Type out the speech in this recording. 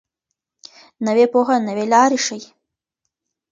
نوې پوهه نوې لارې ښيي.